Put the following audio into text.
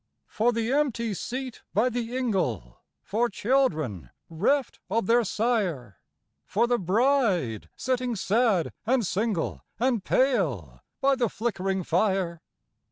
For the empty seat by the ingle? for children Æreft of their sire? For the bride sitting sad, and single, and pale, by the flickering fire?